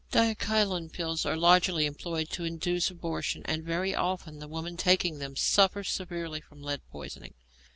Diachylon pills are largely employed to induce abortion, and very often the woman taking them suffers severely from lead poisoning.